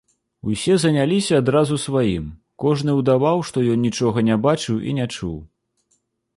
Усе заняліся адразу сваім, кожны ўдаваў, што ён нічога не бачыў і не чуў.